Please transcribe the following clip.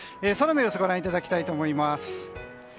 空の様子ご覧いただきたいと思います。